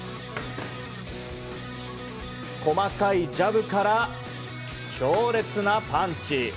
細かいジャブから強烈なパンチ。